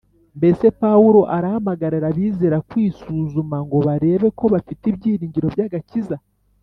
Mbese Pawulo arahamagarira abizera kwisuzuma ngo barebe ko bafite ibyiringiro by'agakiza?